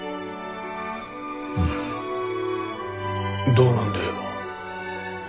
どうなんだよ。